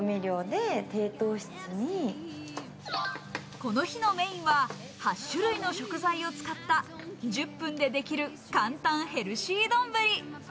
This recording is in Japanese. この日のメインは８種類の食材を使った、１０分でできる簡単ヘルシー丼。